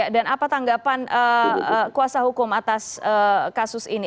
dan apa tanggapan kuasa hukum atas kasus ini